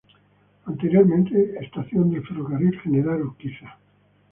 Anteriormente estación del Ferrocarril General Urquiza.